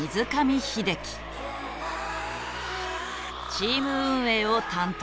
チーム運営を担当。